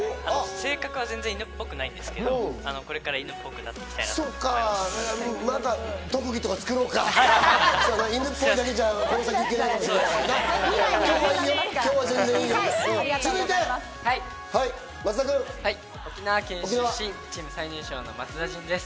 性格は犬っぽくないんですけど、これから犬っぽくなっていきたいなと思います。